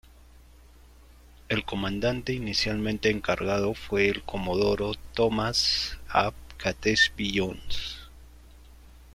El comandante inicialmente encargado fue el comodoro Thomas ap Catesby Jones.